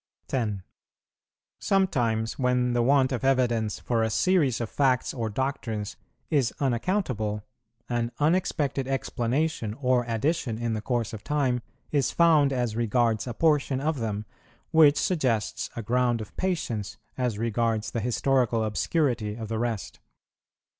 Sometimes when the want of evidence for a series of facts or doctrines is unaccountable, an unexpected explanation or addition in the course of time is found as regards a portion of them, which suggests a ground of patience as regards the historical obscurity of the rest.